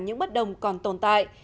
những bất đồng còn tồn tại